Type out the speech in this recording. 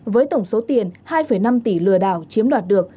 với tổng số tiền hai năm tỷ lừa đảo chiếm đoạt được